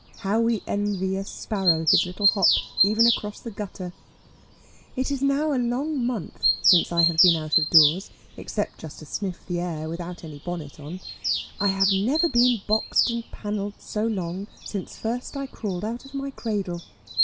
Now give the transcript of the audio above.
How we envy a sparrow his little hop, even across the gutter. It is now a long month since I have been out of doors, except just to sniff the air, without any bonnet on. I have never been boxed and pannelled so long since first I crawled out of my cradle.